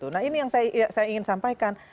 nah ini yang saya ingin sampaikan